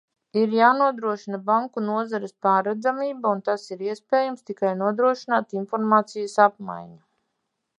Ir jānodrošina banku nozares pārredzamība, un tas ir iespējams, tikai nodrošinot informācijas apmaiņu.